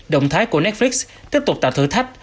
động thái của netflix tiếp tục tạo thử thách